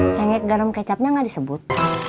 cengik garam kecapnya gak disebut